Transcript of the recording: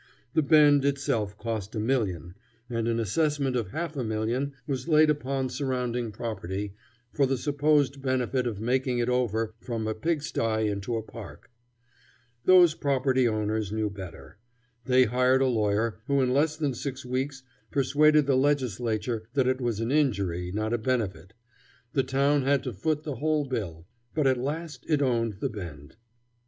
The Bend itself cost a million, and an assessment of half a million was laid upon surrounding property for the supposed benefit of making it over from a pig sty into a park. Those property owners knew better. They hired a lawyer who in less than six weeks persuaded the Legislature that it was an injury, not a benefit. The town had to foot the whole bill. But at last it owned the Bend.